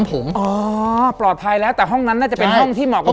ผมอ๋อปลอดภัยแล้วแต่ห้องนั้นน่าจะเป็นห้องที่เหมาะกับ